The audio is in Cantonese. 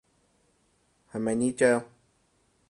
係咪呢張？